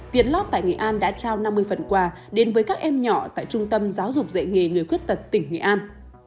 việt lót tại nghệ an đã trao năm mươi phần quà đến với các em nhỏ tại trung tâm giáo dục dạy nghề người khuyết tật tỉnh nghệ an